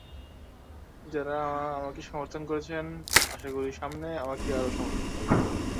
যাঁরা আমাকে সমর্থন করেছেন, আশা করি সামনে আমাকে আরও সমর্থন করবেন।